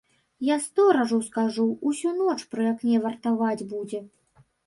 Я сторажу скажу, усю ноч пры акне вартаваць будзе.